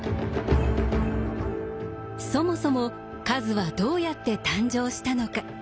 そもそも数はどうやって誕生したのか。